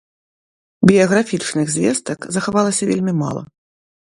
Біяграфічных звестак захавалася вельмі мала.